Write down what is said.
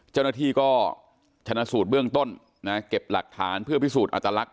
เจ้าหน้าที่ก็ชนะสูตรเบื้องต้นนะเก็บหลักฐานเพื่อพิสูจน์อัตลักษณ